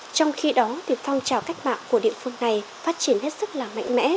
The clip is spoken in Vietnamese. trong khi đó thì phong trào cách mạng của địa phương này phát triển hết sức là mạnh mẽ